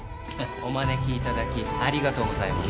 お招きいただきありがとうございます。